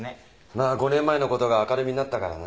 まあ５年前の事が明るみになったからな。